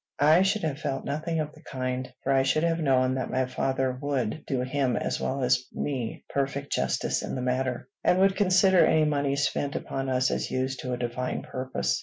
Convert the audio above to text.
I should have felt nothing of the kind; for I should have known that my father would do him as well as me perfect justice in the matter, and would consider any money spent upon us as used to a divine purpose.